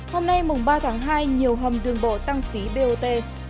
hôm nay mùng ba tháng hai nhiều hầm đường bộ tăng phí bot